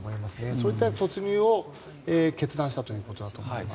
それで突入を決断したということだと思います。